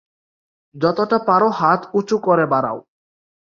যতটা পারো হাত উচু করে বাড়াও।